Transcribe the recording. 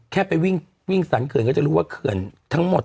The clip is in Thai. แค่ไปวิ่งสรรเขื่อนก็จะรู้ว่าเขื่อนทั้งหมด